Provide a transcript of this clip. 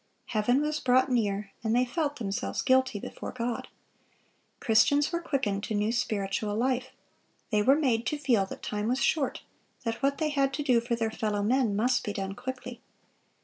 Heaven was brought near, and they felt themselves guilty before God."(568) Christians were quickened to new spiritual life. They were made to feel that time was short, that what they had to do for their fellow men must be done quickly.